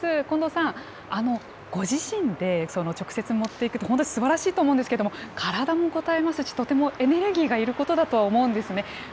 近藤さん、ご自身で直接持っていくって本当にすばらしいと思うんですけれども、体もこたえますし、とてもエネルギーがいることだと思うんですね。